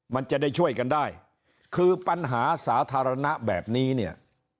มันจะได้ช่วยกันได้คือปัญหาสาธารณะแบบนี้เนี่ย